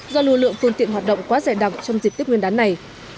do lưu lượng phương tiện hoạt động quá dài đọc trong dịp tết nguyên đán này